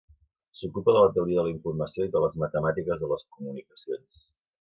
S'ocupa de la teoria de la informació i de les matemàtiques de les comunicacions.